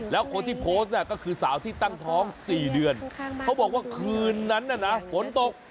แล้วคนที่โพสต์ก็คือสาวที่ตั้งท้อง๔เดือนเขาบอกว่าคืนนั้นน่ะนะฝนตก